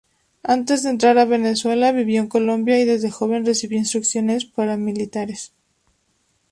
Antes de entrar a Venezuela, vivió en Colombia, y desde joven recibió instrucciones paramilitares.